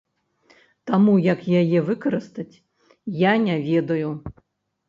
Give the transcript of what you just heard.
Таму як яе выкарыстаць, я не ведаю.